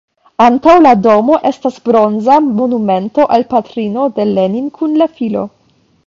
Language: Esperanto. Antaŭ la domo estas bronza monumento al patrino de Lenin kun la filo.